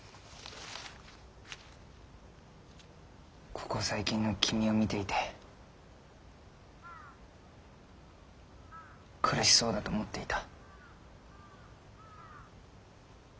ここ最近の君を見ていて苦しそうだと思っていた。